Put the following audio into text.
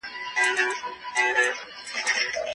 د لقمان سورت په {ا. ل .م.} شروع سوی دی.